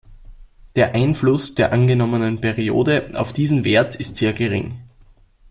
Der Einfluss der angenommenen Periode auf diesen Wert ist sehr gering.